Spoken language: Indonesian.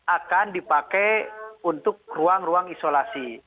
akan dipakai untuk ruang ruang isolasi